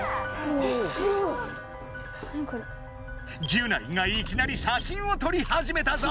ギュナイがいきなりしゃしんをとり始めたぞ。